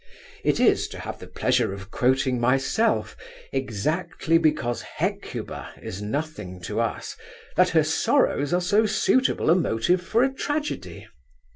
It is, to have the pleasure of quoting myself, exactly because Hecuba is nothing to us that her sorrows are so suitable a motive for a tragedy.